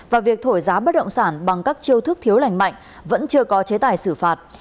và việc thổi giá bất động sản bằng các chiêu thức thiếu lành mạnh vẫn chưa có chế tài xử phạt